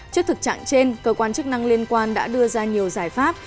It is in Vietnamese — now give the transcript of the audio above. trước thực trạng trên cơ quan chức năng liên quan đã đưa ra nhiều giải pháp